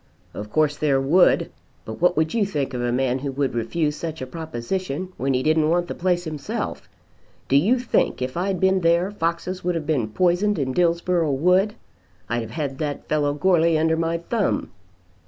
"Of course there would, but what would you think of a man who would refuse such a proposition when he didn't want the place himself? Do you think if I'd been there foxes would have been poisoned in Dillsborough wood? I'd have had that fellow Goarly under my thumb."